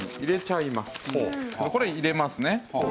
これ入れますね。